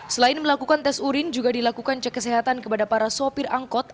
selain melakukan tes urin juga dilakukan cek kesehatan kepada para sopir angkot